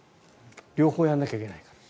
両方やらなきゃいけないから。